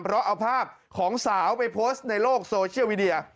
เพราะเอาภาพของสาวไปโพสต์ในโลกโซเชียลมีเดีย